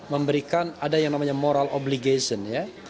memberikan ada yang namanya moral obligation ya